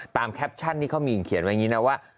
แคปชั่นที่เขามีเขียนไว้อย่างนี้นะว่า